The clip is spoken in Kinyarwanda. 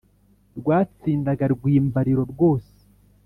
rwatsindaga rwimbariro, rwose